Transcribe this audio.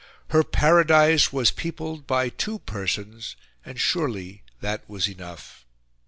Her paradise was peopled by two persons, and surely that was enough.